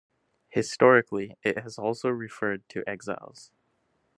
Historically, it has also referred to exiles.